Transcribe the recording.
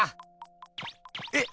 えっ！